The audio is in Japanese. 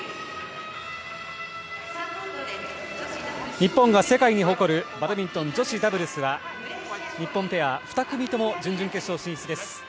日本が世界に誇るバドミントン女子ダブルスは日本ペア２組とも準々決勝進出です。